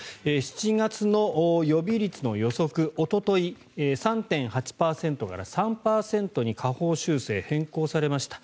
７月の予備率の予測おととい、３．８％から３％に下方修正変更されました。